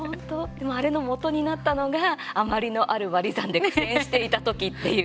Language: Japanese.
あれのもとになったのが余りのある割り算で苦戦していた時っていう。